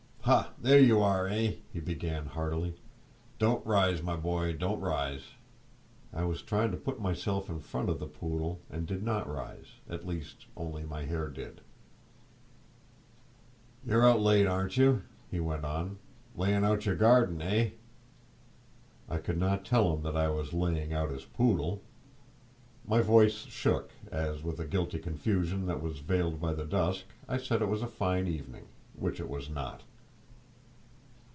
"Ha, there you are, eh!" he began, heartily; "don't rise, my boy, don't rise." I was trying to put myself in front of the poodle, and did not rise—at least, only my hair did. "You're out late, ain't you?" he went on; "laying out your garden, hey?" I could not tell him that I was laying out his poodle! My voice shook as, with a guilty confusion that was veiled by the dusk, I said it was a fine evening—which it was not.